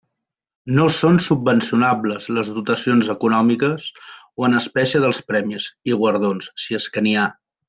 No són subvencionables les dotacions econòmiques o en espècie dels premis i guardons, si és que n'hi ha.